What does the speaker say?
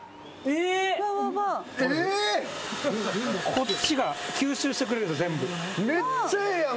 こっちが吸収してくれるんです全部。